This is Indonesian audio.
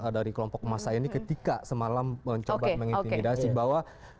dari kelompok massa ini ketika semalam mencoba mengintimidasi bahwa